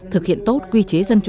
thực hiện tốt quy chế dân chủ